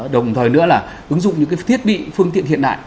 đồng thời nữa là ứng dụng những thiết bị phương tiện hiện đại